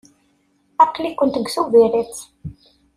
Aql-ikent deg Tubiret.